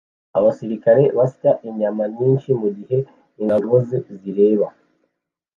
Abasirikare basya inyama nyinshi mugihe ingabo ze zireba